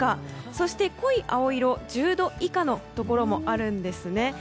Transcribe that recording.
そして、濃い青色１０度以下のところもあるんですね。